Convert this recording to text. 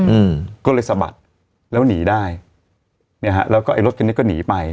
อืมก็เลยสะบัดแล้วหนีได้เนี้ยฮะแล้วก็ไอ้รถคันนี้ก็หนีไป